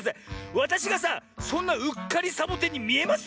わたしがさそんなうっかりサボテンにみえます？